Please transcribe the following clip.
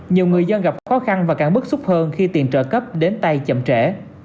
nhiều người dân gặp khó khăn và càng bức xúc hơn khi tiền trợ cấp đến tay chậm trễ